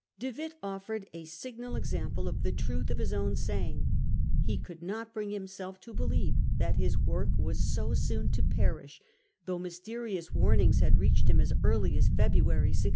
De Witt offered a signal example of the truth of his own saying. He could not bring himself to believe that his work was so soon to perish, though mysterious warnings had reached him as early as February, 1668.